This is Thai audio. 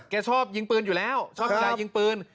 ชอบยิงปืนอยู่แล้วชอบกีฬายิงปืน